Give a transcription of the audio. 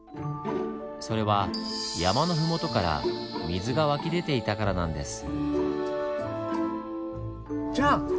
それは山の麓から水が湧き出ていたからなんです。